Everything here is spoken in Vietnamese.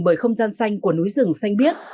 bởi không gian xanh của núi rừng xanh biếc